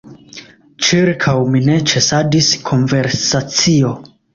Ĉirkaŭ mi ne ĉesadis konversacio.